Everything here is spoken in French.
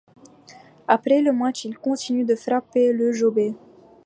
Après le match, il continue de frapper le jobber.